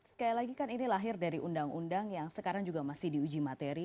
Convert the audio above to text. sekali lagi kan ini lahir dari undang undang yang sekarang juga masih diuji materi